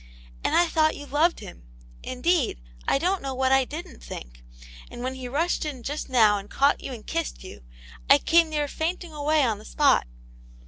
And I thought you loved him. Indeed, I don't know what I didn't think. And when he rushed in just now, and caught you and kissed you, I came near fainting away on the spot."